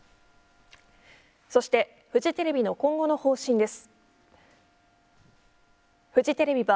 そして、フジテレビの今後の方針です。